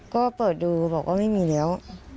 ก็เปิดดูบอกว่าไม่มีแล้ว